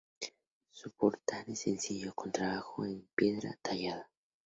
Su portal es sencillo, con trabajo en piedra tallada.